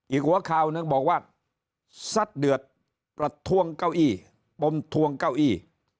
อีกหัวข่าวหนึ่งบอกว่าซัดเดือดประท้วงเก้าอี้ปมทวงเก้าอี้